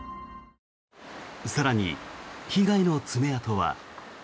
更に、被害の爪痕は。